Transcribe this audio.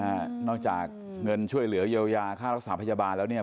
นอกจากเงินช่วยเหลือเยียวยาค่ารักษาพยาบาลแล้วเนี่ย